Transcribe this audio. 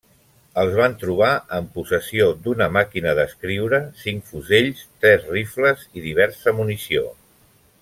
Els van trobar en possessió d'una màquina d'escriure, cinc fusells, tres rifles i diversa munició.